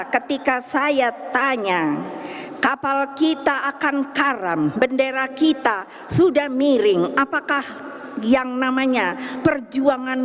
ketika saya tanya kapal kita akan karam bendera kita sudah miring apakah yang namanya perjuangan